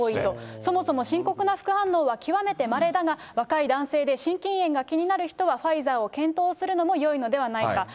そもそも深刻な副反応は極めてまれだが、若い男性で心筋炎が気になる人は、ファイザーを検討するのもよいのではないか。